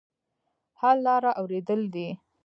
حل لاره اورېدل دي.